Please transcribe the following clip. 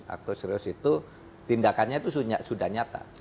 actus reus itu tindakannya itu sudah nyata